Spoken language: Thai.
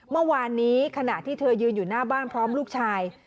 เมื่อวานนี้ขณะที่เธอยืนอยู่หน้าบ้านพร้อมลูกชาย